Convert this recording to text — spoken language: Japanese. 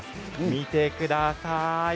見てください。